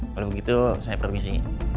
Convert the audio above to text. kalau begitu saya permisi